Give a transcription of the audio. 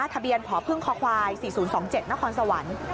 ทะเบียนผพึ่งคควาย๔๐๒๗นครสวรรค์